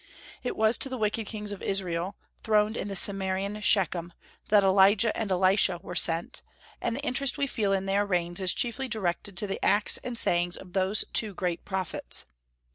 It was to the wicked kings of Israel, throned in the Samarian Shechem, that Elijah and Elisha were sent; and the interest we feel in their reigns is chiefly directed to the acts and sayings of those two great prophets.